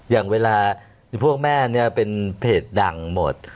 อย่างเวลาพวกแม่เนี่ยเป็นเพจดังหมด